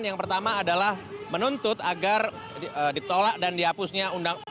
yang pertama adalah menuntut agar ditolak dan dihapusnya